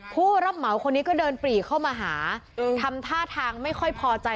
ผู้รับเหมาเก็บผีเข้ามาทำท่าทางไม่ค่อยพอใจ